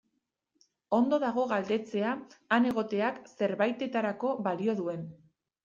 Ondo dago galdetzea han egoteak zerbaitetarako balio duen.